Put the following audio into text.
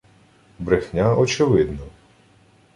Брехня очевидна